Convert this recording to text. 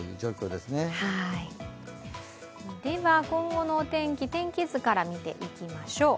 では、今後のお天気、天気図から見ていきましょう。